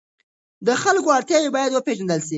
د خلکو اړتیاوې باید وپېژندل سي.